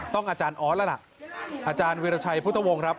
ต้องอาจารย์ออสล่ะนะอาจารย์วิรัชัยพุทธวงศ์ครับ